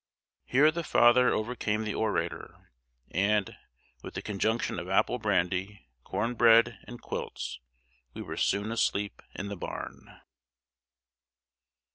Here the father overcame the orator; and, with the conjunction of apple brandy, corn bread, and quilts, we were soon asleep in the barn.